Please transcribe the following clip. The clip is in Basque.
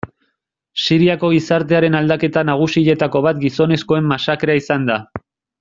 Siriako gizartearen aldaketa nagusietako bat gizonezkoen masakrea izan da.